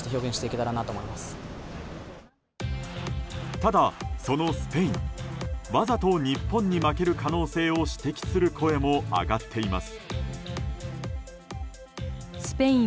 ただ、そのスペインわざと日本に負ける可能性を指摘する声も上がっています。